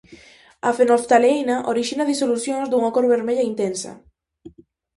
A fenolftaleína orixina disolucións dunha cor vermella intensa.